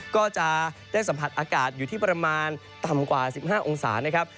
ก็จะได้สัมผัสอากาศอยู่ที่ประมาณต่ำกว่า๑๕องศานะครับ